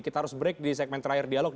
kita harus break di segmen terakhir dialog